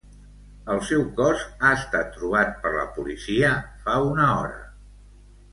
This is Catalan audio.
El seu cos ha estat trobat per la policia fa una hora.